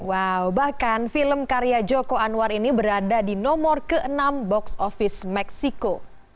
wow bahkan film karya joko anwar ini berada di nomor ke enam box office meksiko